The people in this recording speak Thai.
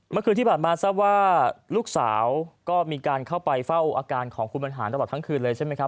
เมื่อคืนที่ผ่านมาทราบว่าลูกสาวก็มีการเข้าไปเฝ้าอาการของคุณบรรหารตลอดทั้งคืนเลยใช่ไหมครับ